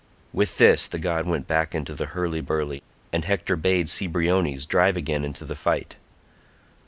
With this the god went back into the hurly burly, and Hector bade Cebriones drive again into the fight.